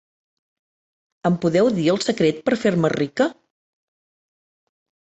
Em podeu dir el secret per fer-me rica?